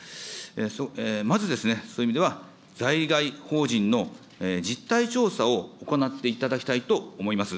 まずそういう意味では、在外邦人の実態調査を行っていただきたいと思います。